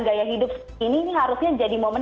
gaya hidup ini harusnya jadi momen